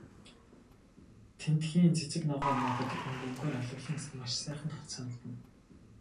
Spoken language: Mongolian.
Тэндхийн цэцэг ногоо, модод өнгө өнгөөр алаглан маш сайхан санагдана.